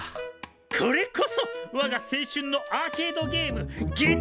これこそわが青春のアーケードゲーム「月面探査」だ！